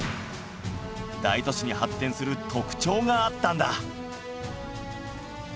大都市に発展する特徴があったんだ！